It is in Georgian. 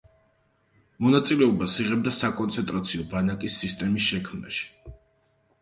მონაწილეობას იღებდა საკონცენტრაციო ბანაკის სისტემის შექმნაში.